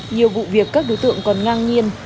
nhiều vụ việc các đối tượng còn ngang nhiên